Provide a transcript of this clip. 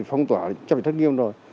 phong tỏa chẳng phải thất nghiêm rồi